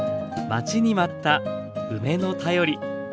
待ちに待った梅の便り。